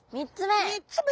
３つ目。